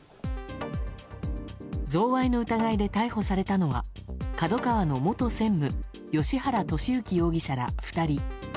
贈賄の疑いで逮捕されたのはＫＡＤＯＫＡＷＡの元専務芳原世幸容疑者ら２人。